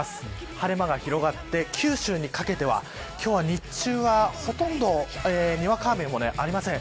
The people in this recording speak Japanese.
晴れ間が広がって九州にかけては今日は日中は、ほとんどにわか雨もありません。